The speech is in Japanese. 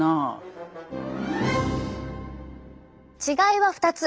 違いは２つ。